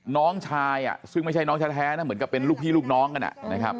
น้องชายซึ่งไม่ใช่น้องแท้นะเหมือนกับเป็นลูกพี่ลูกน้องกันนะครับ